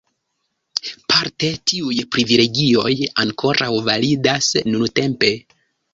Parte tiuj privilegioj ankoraŭ validas nuntempe.